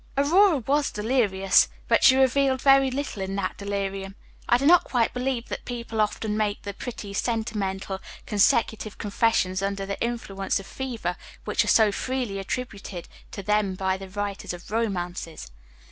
Aurora was delirious; but she revealed very little in that delirium. I do not quite believe that people often make the pretty, sentimental, consecutive confessions under the influence of fever which are so freely attributed to them by the writers of romances.